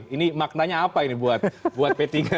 ini maknanya apa ini buat p tiga